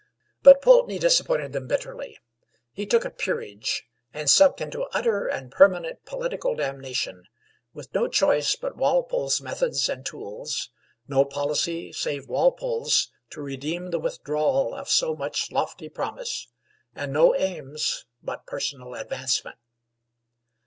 But Pulteney disappointed them bitterly: he took a peerage, and sunk into utter and permanent political damnation, with no choice but Walpole's methods and tools, no policy save Walpole's to redeem the withdrawal of so much lofty promise, and no aims but personal advancement.